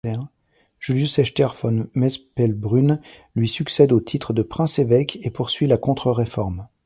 Julius Echter von Mespelbrunn lui succède au titre de prince-évêque et poursuit la Contre-Réforme.